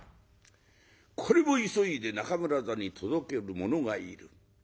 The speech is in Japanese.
これを急いで中村座に届ける者がいる。